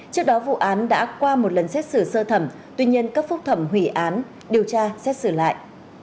trước đó vụ án đã qua một lần xét xử sơ thẩm tuy nhiên cấp phúc thẩm hủy án điều tra xét xử lại